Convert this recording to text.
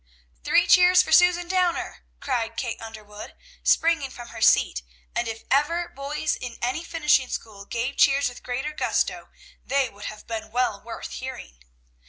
"Three cheers for Susan Downer!" cried Kate Underwood, springing from her seat; and if ever boys in any finishing school gave cheers with greater gusto, they would have been well worth hearing.